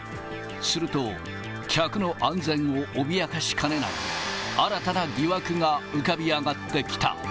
すると、客の安全を脅かしかねない新たな疑惑が浮かび上がってきた。